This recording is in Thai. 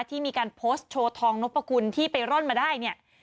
ที่มีการโพสต์โชว์ทองนพคุณที่ไปร่อนมาได้เนี่ย